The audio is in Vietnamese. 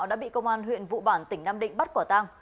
đã bị công an huyện vụ bản tỉnh nam định bắt quả tang